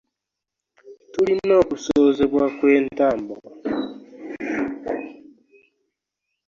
Tulina okusoozebwa kwe ntambwa.